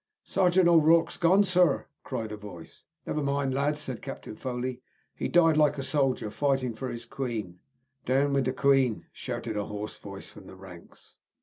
"Sergeant O'Rooke's gone, sorr," cried a voice. "Never mind, lads," said Captain Foley. "He's died like a soldier, fighting for his Queen." "Down with the Queen!" shouted a hoarse voice from the ranks.